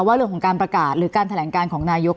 เรื่องของการประกาศหรือการแถลงการของนายก